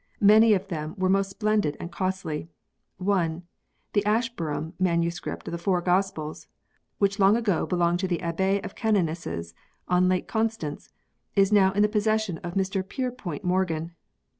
Many of them were most splendid and costly. One, the Ash bur nham manuscript of the Four Gospels, which long ago belonged to the Abbey of Canonesses on Lake Constance, is now in the possession of Mr Pierpoint Morgan.